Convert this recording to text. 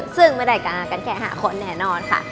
ซึ่งมาดายการกันแขกหาคนแน่นอนค่ะ